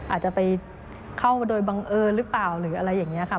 อาจจะไปเข้ามาโดยบังเอิญหรือเปล่าหรืออะไรอย่างนี้ค่ะ